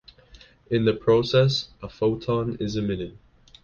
In the process, a photon is emitted.